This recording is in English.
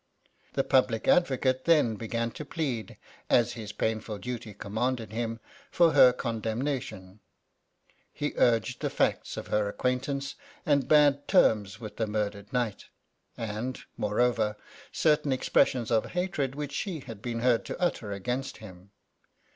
The public advqcate then began to plead, as his painful duty cominanded hiiii; 682 THE WIDOW OF GALICIA. for her condemnation ;— he urged the facts of her acquaintance and bad terms with tlie murdered knight ; and, moreover, certain expres sions of hatred which she had been heard to utter against him.